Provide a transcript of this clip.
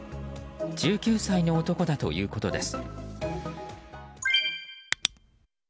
１９歳の男だということです。